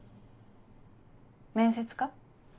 面接か。